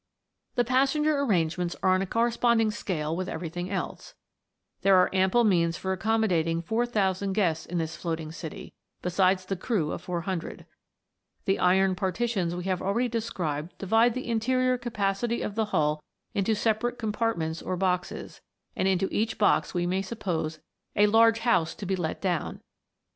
The passenger arrangements are on a correspond ing scale with everything else. There are ample means for accommodating 4000 guests in this float ing city, besides the crew of 400. The iron parti tions we have already described divide the interior capacity of the hull into separate compartments or boxes ; and into each box we may suppose a large house to be let down.